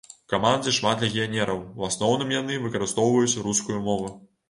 У камандзе шмат легіянераў, у асноўным яны выкарыстоўваюць рускую мову.